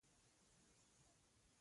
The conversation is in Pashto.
په ادب کښېنه، سړی له خوی پېژندل کېږي.